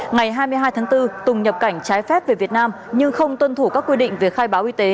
ngày hai mươi hai tháng bốn tùng nhập cảnh trái phép về việt nam nhưng không tuân thủ các quy định về khai báo y tế